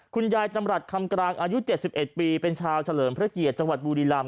จำรัฐคำกลางอายุ๗๑ปีเป็นชาวเฉลิมพระเกียรติจังหวัดบุรีรำ